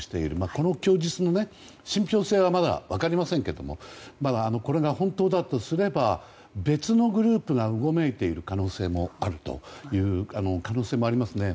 この供述の信ぴょう性はまだ分かりませんけどもこれが本当だとすれば別のグループがうごめいている可能性もありますよね。